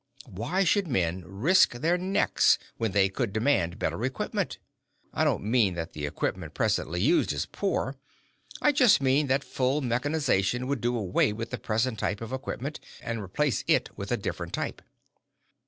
Why should men risk their necks when they could demand better equipment? (I don't mean that the equipment presently used is poor; I just mean that full mechanization would do away with the present type of equipment and replace it with a different type.)